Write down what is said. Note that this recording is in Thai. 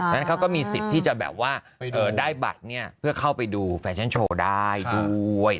นั้นเขาก็มีสิทธิ์ที่จะแบบว่าได้บัตรเพื่อเข้าไปดูแฟชั่นโชว์ได้ด้วย